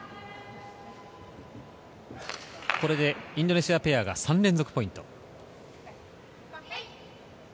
これでインドネシアペアが３連続ポイント。